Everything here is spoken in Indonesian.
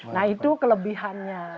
nah itu kelebihannya